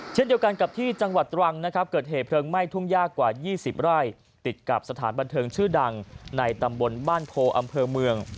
เช่นเดียวกันกับที่จังหวัดตรังนะครับเกิดเหตุเพลิงไหม้ทุ่งยากกว่า๒๐ไร่ติดกับสถานบันเทิงชื่อดังในตำบลบ้านโพอำเภอเมือง